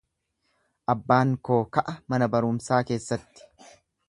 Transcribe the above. Abbaan koo ka'a mana barumsaa keessatti.